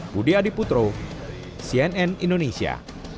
budi adiputro cnn indonesia